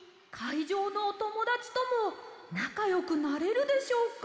いじょうのおともだちともなかよくなれるでしょうか？